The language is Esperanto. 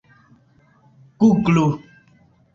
guglu